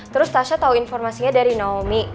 terus tasha tahu informasinya dari naomi